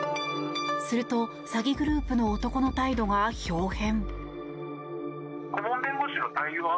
すると、詐欺グループの男の態度がひょう変。